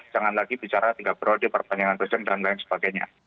jangan lagi bicara tiga periode perpanjangan presiden dan lain sebagainya